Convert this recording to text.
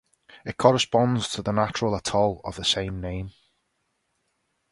It corresponds to the natural atoll of the same name.